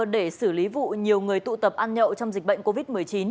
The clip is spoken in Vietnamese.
để xử lý vụ nhiều người tụ tập ăn nhậu trong dịch bệnh covid một mươi chín